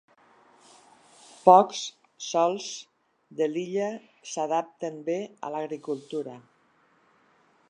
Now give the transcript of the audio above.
Pocs sòls de l'illa s'adapten bé a l'agricultura.